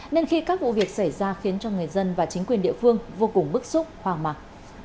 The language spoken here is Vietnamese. nên khi các vụ việc xảy ra khiến cho người dân và chính quyền địa phương vô cùng bức xúc hoang mạc